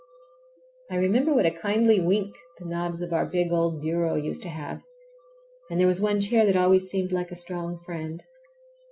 I remember what a kindly wink the knobs of our big old bureau used to have, and there was one chair that always seemed like a strong friend.